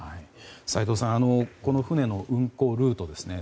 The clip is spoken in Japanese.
斎藤さん、この船の運航ルートですね。